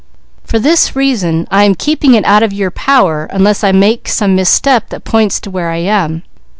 For this reason I am keeping it out of your power, unless I make some misstep that points to where I am.